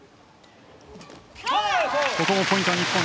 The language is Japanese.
ここもポイント、日本。